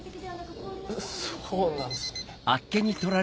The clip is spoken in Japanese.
そうなんですね。